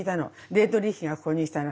ディートリヒがここに来たの。